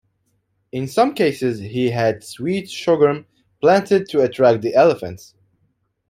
In some cases he had sweet sorghum planted to attract the elephants.